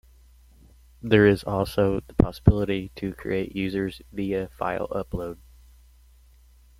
There is also the possibility to create users via file upload.